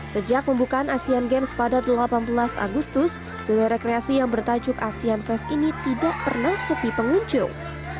sejak pembukaan asian games pada delapan belas agustus zona rekreasi yang bertajuk asean fest ini tidak pernah sepi pengunjung